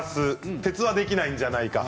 鉄はできないんじゃないか。